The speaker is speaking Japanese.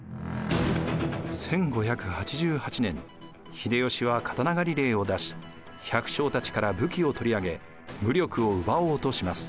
１５８８年秀吉は刀狩令を出し百姓たちから武器を取り上げ武力を奪おうとします。